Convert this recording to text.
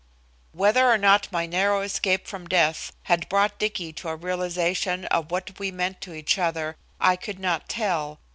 Whether or not my narrow escape from death had brought Dicky to a realization of what we meant to each other, I could not tell.